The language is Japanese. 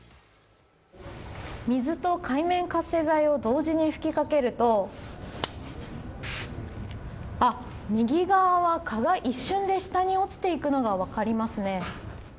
水と界面活性剤を同時に吹きかけると右側は蚊が一瞬で下に落ちていくのが分かりますね。